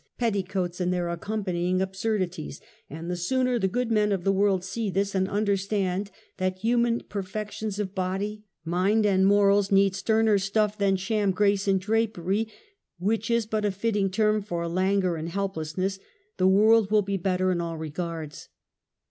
petticoats, and their accompanying absurdities, and the sooner the good men of the world see this and understand that human perfections of body, mind and morals, need sterner stuff than sham ""grace in drajpery^'^ (which is but a fitting term for languor and helplessness,) the world will be better in all regards.